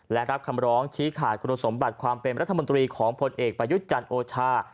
และรับคำร้องชี้ขาดคุณสมบัติความเป็นรัฐมนตรีของผลเอกประยุทธ์จันทร์โอชา